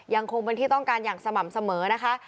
ยังคงเป็นที่ต้องการอย่างสม่ำเสมอนะคะ